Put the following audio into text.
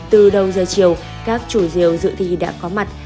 từ đầu giờ chiều các chủ diều dự thi đã có mặt